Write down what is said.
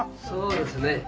そうですね。